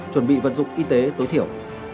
chuẩn bị vận dụng y tế tối thiểu